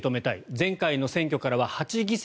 前回の選挙からは８議席